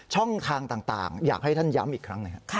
ช่องทางต่างอยากให้ท่านย้ำอีกครั้งหนึ่ง